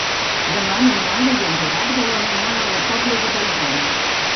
Demà na Nara i en Gerard volen anar a la Pobla de Vallbona.